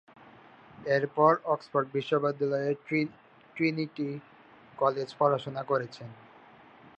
এরপর অক্সফোর্ড বিশ্ববিদ্যালয়ের ট্রিনিটি কলেজে পড়াশোনা করেছেন।